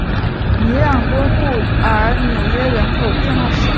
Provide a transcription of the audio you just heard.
米朗多布尔纽纳人口变化图示